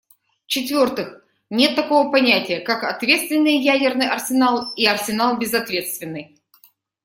В-четвертых, нет такого понятия, как ответственный ядерный арсенал и арсенал безответственный.